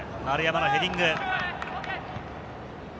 丸山のヘディング。